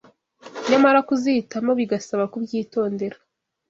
nyamara kuzihitamo bigasaba kubyitondera